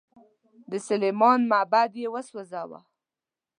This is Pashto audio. د سلیمان معبد یې وسوځاوه.